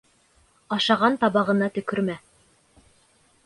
Ашаған табағына төкөрмә.